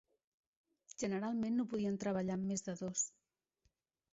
Generalment no podien treballar amb més de dos.